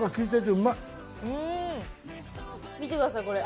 見てくださいこれ。